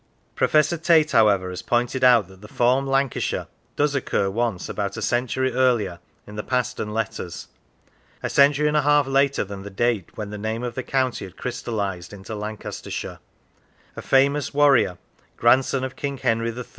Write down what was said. Professor Tait, however, has pointed out that the form Lancashire does occur once, about a century earlier, in the Past on Letters. A century and a half later than the date when the name of the county had crystallised into Lancastershire, a famous warrior, grandson of King Henry III.